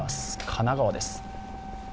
神奈川です。